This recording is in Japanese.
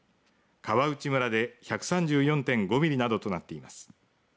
川内村で１３４．５ミリなどとなっています。